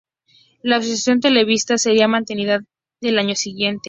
La asociación televisiva sería mantenida el año siguiente.